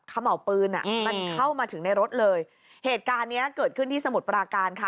เขม่าวปืนอ่ะมันเข้ามาถึงในรถเลยเหตุการณ์เนี้ยเกิดขึ้นที่สมุทรปราการค่ะ